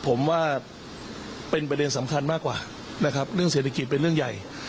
ผมว่าเป็นประเด็นสำคัญมากกว่านะครับเรื่องเศรษฐกิจเป็นเรื่องใหญ่